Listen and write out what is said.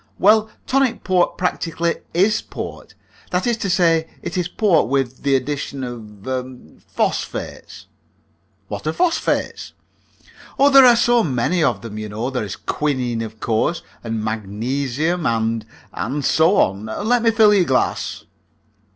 "Well, tonic port practically is port. That is to say, it is port with the addition of er phosphates." "What are phosphates?" "Oh, there are so many of them, you know. There is quinine, of course, and magnesium, and and so on. Let me fill your glass."